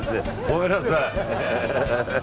ごめんなさい。